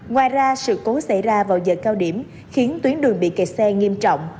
ngoài ra sự cố xảy ra vào giờ cao điểm khiến tuyến đường bị kẹt xe nghiêm trọng